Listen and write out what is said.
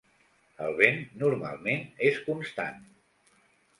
El vent normalment és constant.